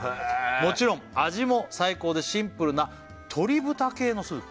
「もちろん味も最高でシンプルな鶏豚系のスープ」